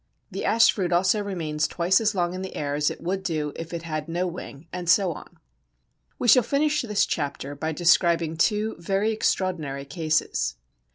The Ash fruit also remains twice as long in the air as it would do if it had no wing; and so on. We shall finish this chapter by describing two very extraordinary cases.